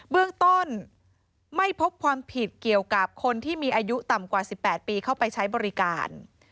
เบื้องต้นไม่พบความผิดเกี่ยวกับคนที่มีอายุต่ำกว่า๑๘ปีเข้าไปใช้บริการ